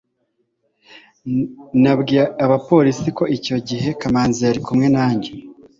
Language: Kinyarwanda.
nabwiye abapolisi ko icyo gihe kamanzi yari kumwe nanjye